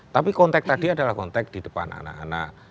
tapi konteks tadi adalah kontek di depan anak anak